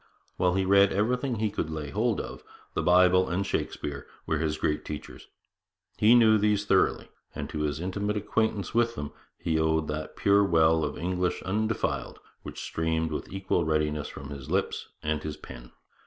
While he read everything he could lay hold of, the Bible and Shakespeare were his great teachers. He knew these thoroughly, and to his intimate acquaintance with them he owed that pure well of English undefiled which streamed with equal readiness from his lips and his pen.